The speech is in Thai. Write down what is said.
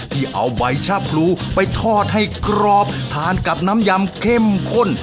ที่เอาใบชะพลูไปทอดให้กรอบทานกับน้ำยำเข้มข้น